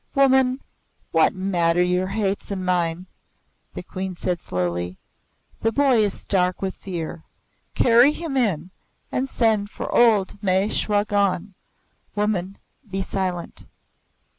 "Woman, what matter your hates and mine?" the Queen said slowly. "The boy is stark with fear. Carry him in and send for old Meh Shway Gon. Woman, be silent!"